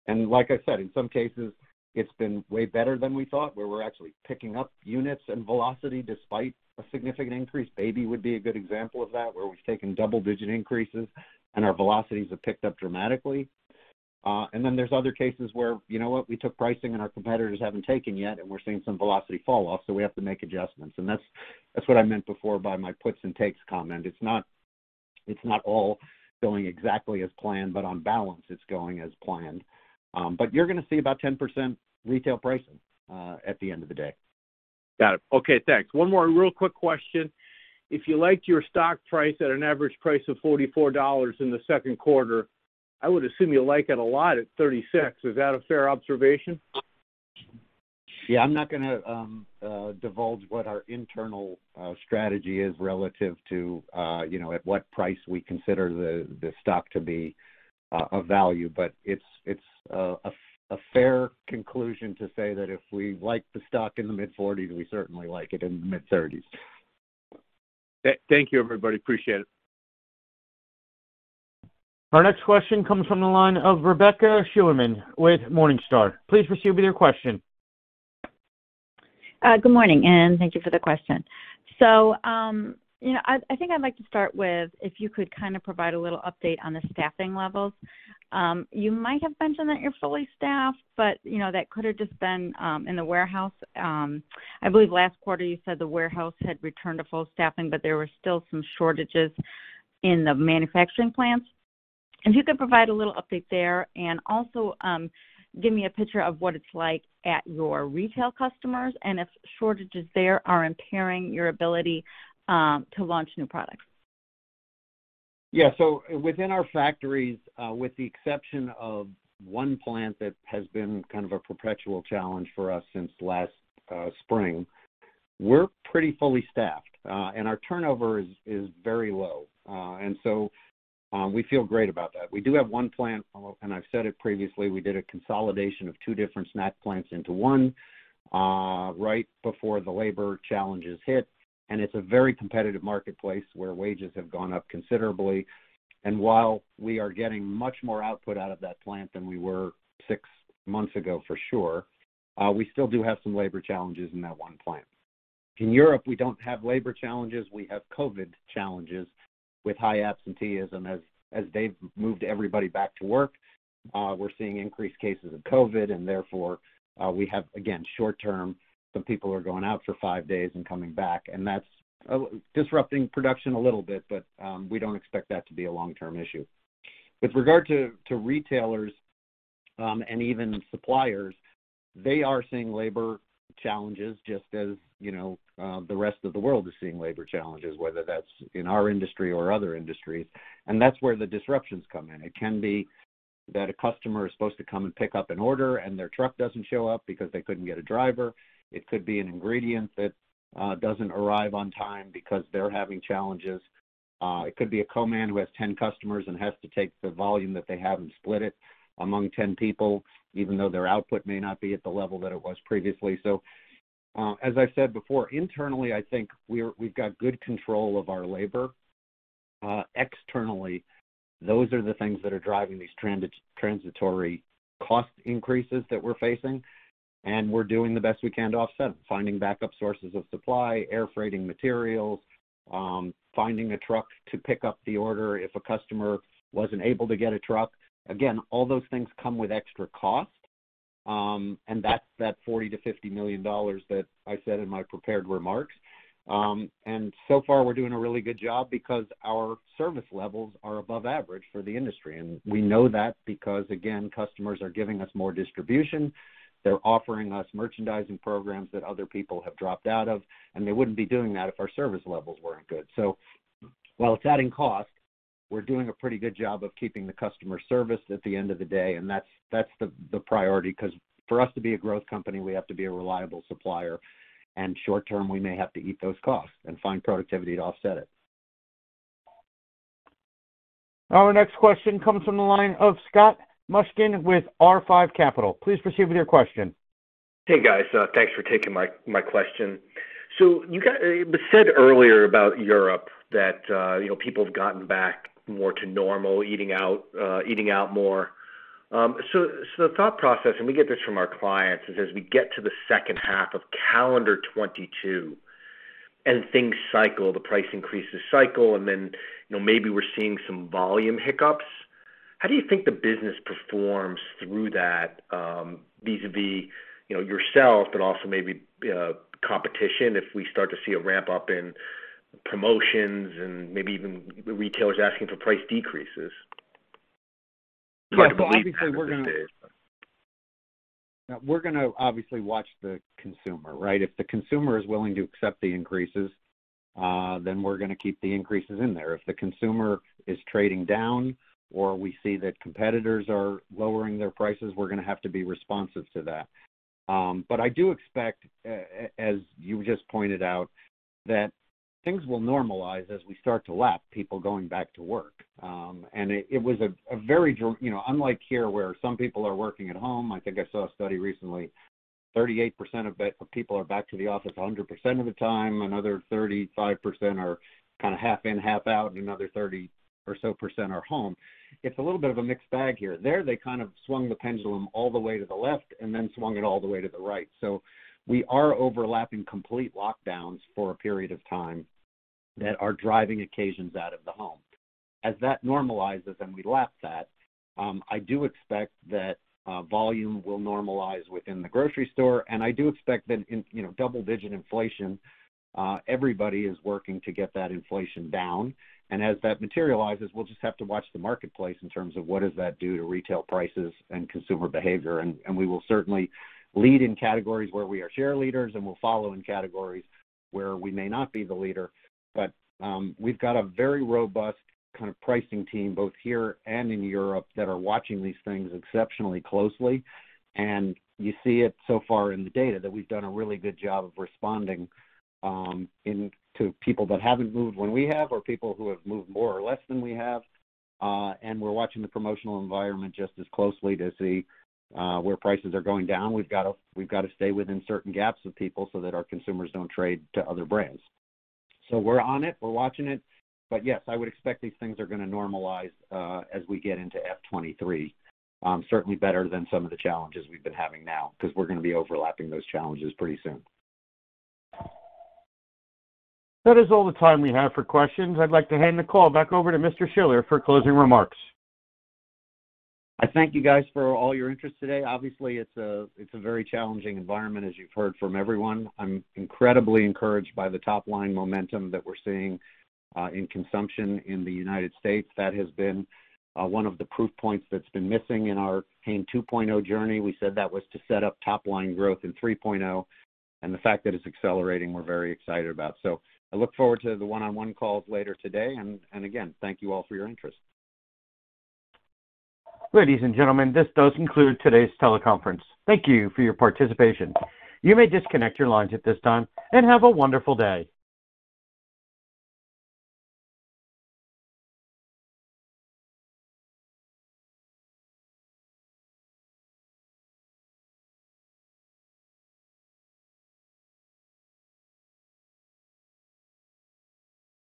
Like I said, in some cases it's been way better than we thought, where we're actually picking up units and velocity despite a significant increase. Baby would be a good example of that, where we've taken double-digit increases and our velocities have picked up dramatically. There's other cases where, you know what, we took pricing and our competitors haven't taken yet and we're seeing some velocity fall off, so we have to make adjustments. That's what I meant before by my puts and takes comment. It's not all going exactly as planned, but on balance it's going as planned. You're gonna see about 10% retail pricing at the end of the day. Got it. Okay, thanks. One more real quick question. If you liked your stock price at an average price of $44 in the Q2, I would assume you like it a lot at $36. Is that a fair observation? Yeah, I'm not gonna divulge what our internal strategy is relative to at what price we consider the stock to be of value. It's a fair conclusion to say that if we like the stock in the mid-40s, we certainly like it in the mid-30s. Thank you, everybody. Appreciate it. Our next question comes from the line of Rebecca Scheunemann with Morningstar. Please proceed with your question. Good morning, and thank you for the question. You know, I think I'd like to start with if you could kind of provide a little update on the staffing levels. You might have mentioned that you're fully staffed, but you know, that could have just been in the warehouse. I believe last quarter you said the warehouse had returned to full staffing, but there were still some shortages in the manufacturing plants. If you could provide a little update there and also give me a picture of what it's like at your retail customers and if shortages there are impairing your ability to launch new products. Yeah. Within our factories, with the exception of one plant that has been kind of a perpetual challenge for us since last spring, we're pretty fully staffed, and our turnover is very low. We feel great about that. We do have one plant, and I've said it previously, we did a consolidation of two different snack plants into one, right before the labor challenges hit, and it's a very competitive marketplace where wages have gone up considerably. While we are getting much more output out of that plant than we were six months ago for sure, we still do have some labor challenges in that one plant. In Europe, we don't have labor challenges, we have COVID challenges with high absenteeism. As they've moved everybody back to work, we're seeing increased cases of COVID and therefore we have again short-term some people are going out for five days and coming back, and that's disrupting production a little bit, but we don't expect that to be a long-term issue. With regard to retailers and even suppliers, they are seeing labor challenges just as you know the rest of the world is seeing labor challenges, whether that's in our industry or other industries, and that's where the disruptions come in. It can be that a customer is supposed to come and pick up an order, and their truck doesn't show up because they couldn't get a driver. It could be an ingredient that doesn't arrive on time because they're having challenges. It could be a co-man who has 10 customers and has to take the volume that they have and split it among 10 people, even though their output may not be at the level that it was previously. As I said before, internally, I think we've got good control of our labor. Externally, those are the things that are driving these transitory cost increases that we're facing, and we're doing the best we can to offset. Finding backup sources of supply, air freighting materials, finding a truck to pick up the order if a customer wasn't able to get a truck. Again, all those things come with extra cost, and that's the $40 million-$50 million that I said in my prepared remarks. So far, we're doing a really good job because our service levels are above average for the industry. We know that because, again, customers are giving us more distribution, they're offering us merchandising programs that other people have dropped out of, and they wouldn't be doing that if our service levels weren't good. While it's adding cost, we're doing a pretty good job of keeping the customer serviced at the end of the day, and that's the priority, 'cause for us to be a growth company, we have to be a reliable supplier. Short-term, we may have to eat those costs and find productivity to offset it. Our next question comes from the line of Scott Mushkin with R5 Capital. Please proceed with your question. Hey, guys. Thanks for taking my question. It was said earlier about Europe that people have gotten back more to normal, eating out more. The thought process, and we get this from our clients, is as we get to the H2 of calendar 2022 and things cycle, the price increases cycle and then maybe we're seeing some volume hiccups. How do you think the business performs through that, vis-a-vis yourself, but also maybe competition if we start to see a ramp-up in promotions and maybe even retailers asking for price decreases? Yeah. We're gonna obviously watch the consumer, right? If the consumer is willing to accept the increases, then we're gonna keep the increases in there. If the consumer is trading down or we see that competitors are lowering their prices, we're gonna have to be responsive to that. I do expect, as you just pointed out, that things will normalize as we start to lap people going back to work. You know, unlike here, where some people are working at home, I think I saw a study recently, 38% of the people are back to the office 100% of the time, another 35% are kinda half in, half out, and another 30% or so are home. It's a little bit of a mixed bag here. There, they kind of swung the pendulum all the way to the left and then swung it all the way to the right. We are overlapping complete lockdowns for a period of time that are driving occasions out of the home. As that normalizes and we lap that, I do expect that volume will normalize within the grocery store, and I do expect that in double-digit inflation, everybody is working to get that inflation down. As that materializes, we'll just have to watch the marketplace in terms of what does that do to retail prices and consumer behavior. We will certainly lead in categories where we are share leaders, and we'll follow in categories where we may not be the leader. We've got a very robust kind of pricing team, both here and in Europe, that are watching these things exceptionally closely. You see it so far in the data that we've done a really good job of responding to people that haven't moved when we have or people who have moved more or less than we have. We're watching the promotional environment just as closely to see where prices are going down. We've gotta stay within certain gaps of people so that our consumers don't trade to other brands. We're on it. We're watching it. Yes, I would expect these things are gonna normalize as we get into FY 2023. Certainly better than some of the challenges we've been having now, 'cause we're gonna be overlapping those challenges pretty soon. That is all the time we have for questions. I'd like to hand the call back over to Mr. Schiller for closing remarks. I thank you guys for all your interest today. Obviously, it's a very challenging environment, as you've heard from everyone. I'm incredibly encouraged by the top-line momentum that we're seeing in consumption in the United States. That has been one of the proof points that's been missing in our Hain 2.0 journey. We said that was to set up top-line growth in Hain 3.0. The fact that it's accelerating, we're very excited about. I look forward to the one-on-one calls later today. Again, thank you all for your interest. Ladies and gentlemen, this does conclude today's teleconference. Thank you for your participation. You may disconnect your lines at this time, and have a wonderful day.